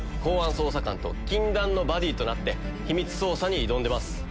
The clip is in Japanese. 公安捜査官と禁断のバディとなって秘密捜査に挑んでます。